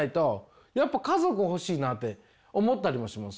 やっぱ家族欲しいなって思ったりもします。